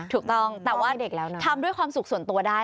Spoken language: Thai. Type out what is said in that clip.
ถูกต้องแต่ว่าเด็กแล้วทำด้วยความสุขส่วนตัวได้